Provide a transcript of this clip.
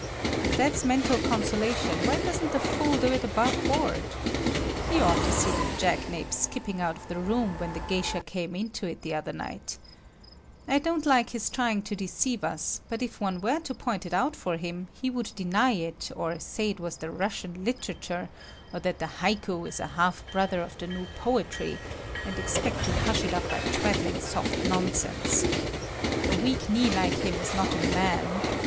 If that's mental consolation, why doesn't the fool do it above board? You ought to see the jacknape skipping out of the room when the geisha came into it the other night,—I don't like his trying to deceive us, but if one were to point it out for him, he would deny it or say it was the Russian literature or that the haiku is a half brother of the new poetry, and expect to hush it up by twaddling soft nonsense. A weak knee like him is not a man.